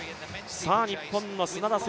日本の砂田晟